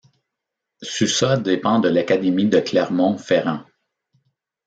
Sussat dépend de l'académie de Clermont-Ferrand.